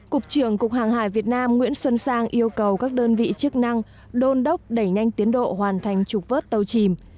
cục trưởng cục hàng hải việt nam nguyễn xuân sang yêu cầu các đơn vị chức năng đôn đốc đẩy nhanh tiến độ hoàn thành trục vớt tàu chìm